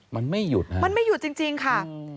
มันไม่หยุดนะมันไม่หยุดจริงค่ะ